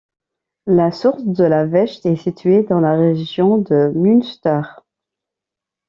La source de la Vecht est situé dans la région de Münster.